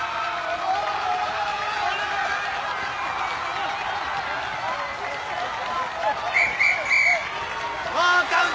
ノーカウント！